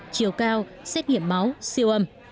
chiều cao xét nghiệm máu siêu âm